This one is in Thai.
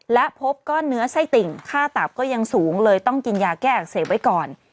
และพบก้อนเนื้อไส้ติ่งค่าตับก็ยังสูงเลยต้องกินยาแก้อักเสบไว้ก่อน